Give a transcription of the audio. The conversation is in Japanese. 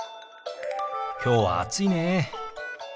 きょうは暑いね。